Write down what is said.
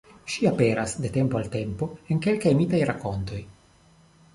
Ŝi aperas de tempo al tempo en kelkaj mitaj rakontoj.